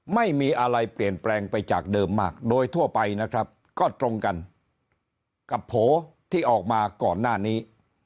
ไม่มีอะไรเปลี่ยนแปลงไปจากเดิมมากโดยทั่วไปนะครับก็ตรงกันกับโผล่ที่ออกมาก่อนหน้านี้